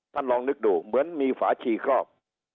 ลองนึกดูเหมือนมีฝาชีครอบ